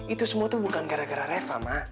itu semua tuh bukan gara gara reva mak